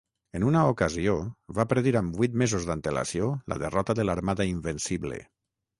En una ocasió, va predir amb vuit mesos d'antelació la derrota de l'Armada Invencible.